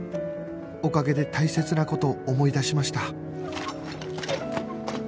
おかげで大切な事思い出しました